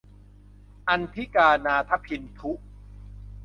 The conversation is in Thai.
อันธิกา นาถะพินธุ